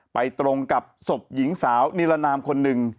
ตรงกับศพหญิงสาวนิรนามคนหนึ่ง